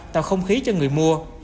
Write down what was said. tạo không khí cho người mua